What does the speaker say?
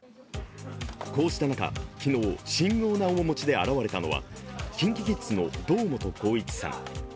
こうした中、昨日、神妙な面持ちで現れたのはＫｉｎＫｉＫｉｄｓの堂本光一さん。